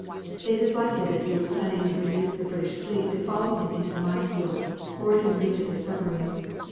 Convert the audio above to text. It is likely that he was planning to induce the British fleet to follow him into the mine field, or within reach of his submarines.